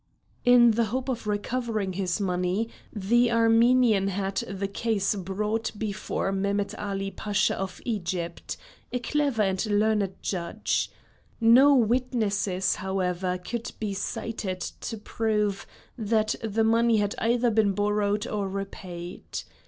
In the hope of recovering his money, the Armenian had the case brought before Mehmet Ali Pasha of Egypt, a clever and learned judge. No witnesses, however, could be cited to prove that the money had either been borrowed or repaid.